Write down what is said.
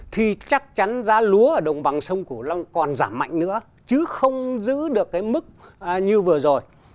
thì chắc chắn giá lúa ở đồng bằng sông cửu long còn giảm mạnh nữa chứ không giữ được cái mức như vừa rồi